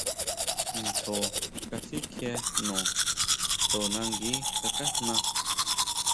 Ntjo kasikjie jno, to nangui tsákajna.